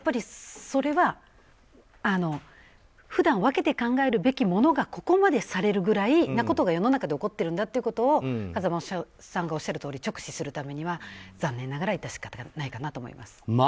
それは、普段分けて考えるべきであることがここまでされるぐらいなことが世の中で起こっているんだということを風間さんがおっしゃるように直視するためには残念ながら致し方ないかなと思います。